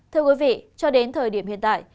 thưa quý vị cho đến thời điểm hiện tại